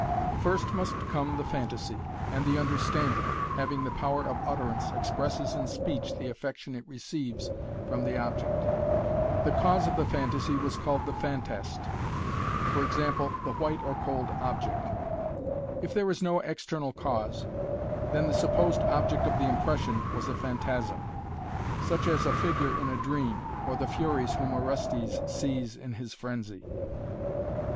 First must come the phantasy, and the understanding, having the power of utterance, expresses in speech the affection it receives from the object. The cause of the phantasy was called the "phantast," e. g. the white or cold object. If there is no external cause, then the supposed object of the impression was a "phantasm," such as a figure in a dream, or the Furies whom Orestes sees in his frenzy.